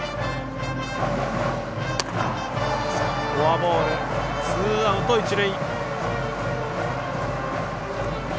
フォアボール、ツーアウト、一塁。